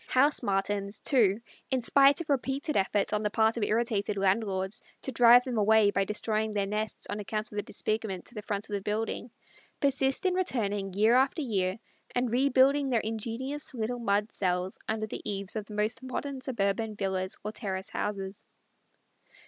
House Martins, too, in spite of repeated efforts on the part of irritated landlords to drive them away by destroying their nests on account of the disfigurement to the front of the dwelling, persist in returning year after year and rebuilding their ingenious little mud cells under the eaves of the most modern suburban villas or terrace houses.